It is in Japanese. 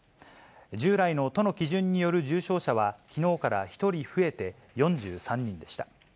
従来の都の基準による重症者は、きのうから１人増えて４３人でした。